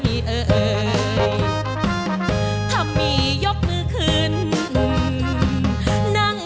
ไม่ใช้